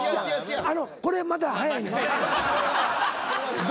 これまだ早いねん。